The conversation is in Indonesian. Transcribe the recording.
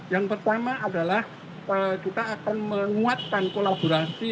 yang pertama adalah kita akan menguatkan kolaborasi